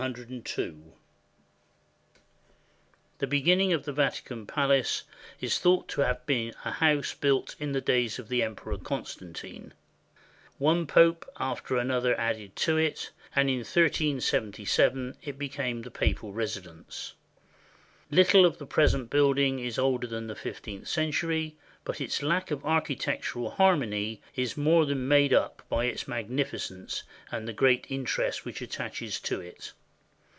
1789 1863) The beginning of the Vatican Palace is thought to have been a house built in the days of the Emperor Constantine. One Pope after another added to it, and in 1377 it became the papal residence. Little of the present building is older than the fifteenth century; but its lack of architectural har mony is more than made up by its magnificence and the great interest which attaches to it.